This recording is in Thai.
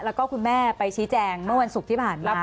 แล้วก็คุณแม่ไปชี้แจงเมื่อวันศุกร์ที่ผ่านมา